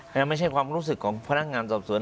แต่ไม่ใช่ความรู้สึกของพนักงานสอบสวน